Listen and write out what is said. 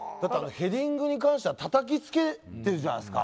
ヘディングに関してはたたきつけてるじゃないですか。